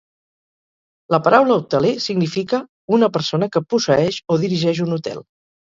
La paraula "hoteler" significa "una persona que posseeix o dirigeix un hotel".